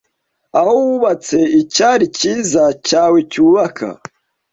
Aho wubatse icyari cyiza cyawe cyubaka